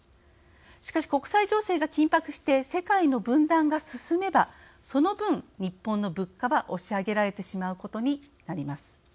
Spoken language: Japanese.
しかし、国際情勢が緊迫して世界の分断が進めばその分、日本の物価は押し上げられてしまうことになります。